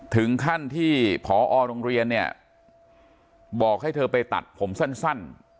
ถึงขั้นที่พอโรงเรียนเนี่ยบอกให้เธอไปตัดผมสั้น